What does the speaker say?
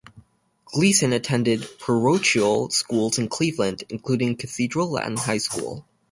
Gleason attended parochial schools in Cleveland, including Cathedral Latin High School.